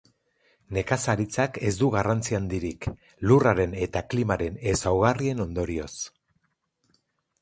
Nekazaritzak ez du garrantzi handirik, lurraren eta klimaren ezaugarrien ondorioz.